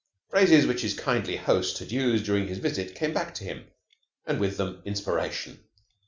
Phrases which his kindly host had used during his visit came back to him, and with them inspiration.